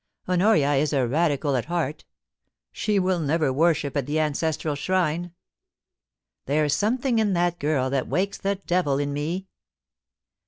Honoria is a Radical at heart She will never worship at the ancestral shrine. .. There's something in that girl that wakes the devil in me.